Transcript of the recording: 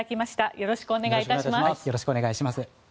よろしくお願いします。